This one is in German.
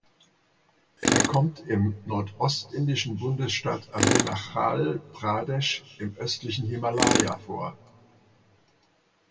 Er kommt im nordostindischen Bundesstaat Arunachal Pradesh im östlichen Himalaya vor.